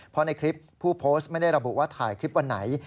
เพราะในคลิปผู้โพสต์ไม่ได้ระบุว่าถ่ายคลิปวันไหน